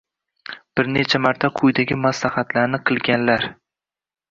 bir necha marta quyidagi nasihatlarni qilganlar: